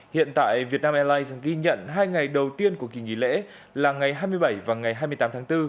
hiện tại vietnam airlines ghi nhận hai ngày đầu tiên của kỳ nghỉ lễ là ngày hai mươi bảy và ngày hai mươi tám tháng bốn